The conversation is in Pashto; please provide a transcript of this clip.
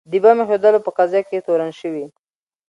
د بمب ایښودلو په قضیه کې تورن شوي.